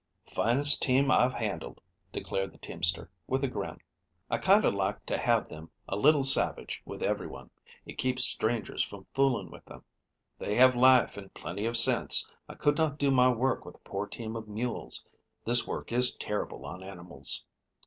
"Finest team I've handled," declared the teamster, with a grin. "I kinder like to have them a little savage with everyone. It keeps strangers from fooling with them. They have life and plenty of sense. I could not do my work with a poor team of mules. This work is terrible on animals."